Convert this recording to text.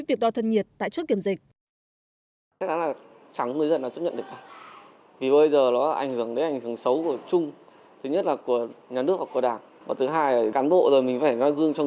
việc đo thân nhiệt tại trước kiểm dịch